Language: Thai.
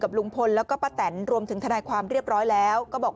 ลุงพลแล้วก็ป้าแตนรวมถึงทนายความเรียบร้อยแล้วก็บอก